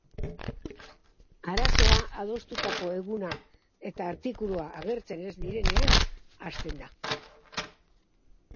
Arazoa adostutako eguna eta artikulua agertzen ez direnean hasten da.